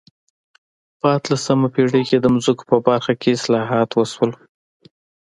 په اتلسمه پېړۍ کې د ځمکو په برخه کې اصلاحات وشول.